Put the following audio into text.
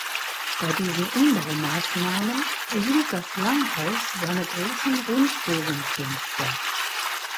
Bei diesen Umbaumaßnahmen erhielt das Langhaus seine großen Rundbogenfenster.